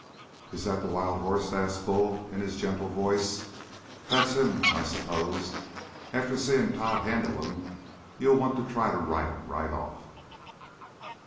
"Is that the wild horse?" asked Bull in his gentle voice. "That's him. I s'pose after seeing Tod handle him, you'll want to try to ride him right off?"